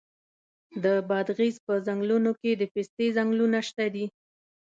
د بادغیس په څنګلونو کې د پستې ځنګلونه شته دي.